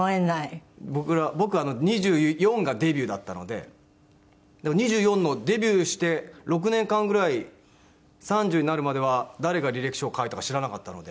でも２４のデビューして６年間ぐらい３０になるまでは誰が履歴書を書いたか知らなかったので。